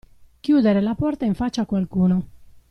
Chiudere la porta in faccia a qualcuno.